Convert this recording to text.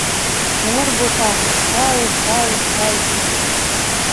Ҡуңыр буҫа, һәү, һәү, һәү...